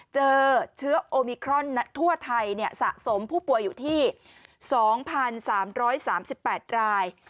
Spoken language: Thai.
เจอเชื้อโอมิครอนทั่วไทยสะสมผู้ป่วยอยู่ที่๒๓๓๘ราย